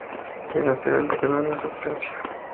El lateral quedó en la suplencia.